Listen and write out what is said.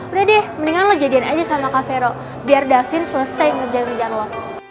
udah deh mendingan lo jadian aja sama kak vero biar davin selesai ngerjain ngerjain lo